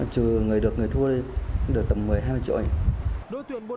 trừ người được người thua thì được tầm một mươi hai mươi triệu